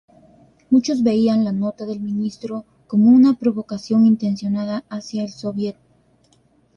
Muchos veían la nota del ministro como una provocación intencionada hacia el Sóviet.